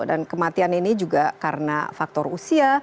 dan kematian ini juga karena faktor usia